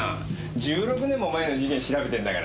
１６年も前の事件調べてんだから。